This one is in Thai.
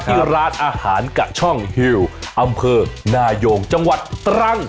ที่ร้านอาหารกะช่องฮิวอำเภอนายงจังหวัดตรัง